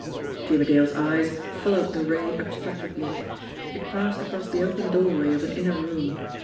Jimmie Dale's eyes followed the ray abstractedly. It passed across the open doorway of an inner room.